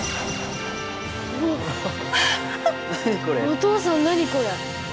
お父さん何これ？